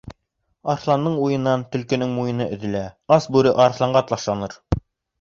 Арыҫландың уйынан төлкөнөң муйыны өҙөлә. Ас бүре арыҫланға ташланыр.